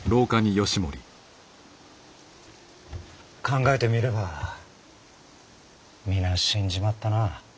考えてみれば皆死んじまったな。